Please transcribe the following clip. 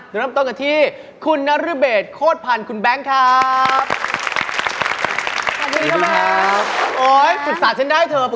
เริ่มต้นกันที่คุณนรเบศโคตรพันธ์คุณแบงค์ครับ